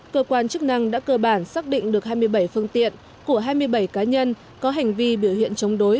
cơ quan chức năng đã cơ bản xác định được hai mươi bảy phương tiện của hai mươi bảy cá nhân có hành vi biểu hiện chống đối